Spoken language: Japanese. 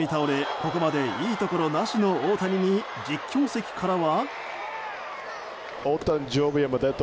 ここまでいいところなしの大谷に実況席からは。